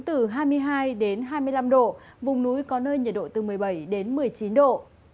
từ hai mươi hai đến hai mươi năm độ vùng núi có nơi nhiệt độ từ một mươi bảy đến một mươi chín độ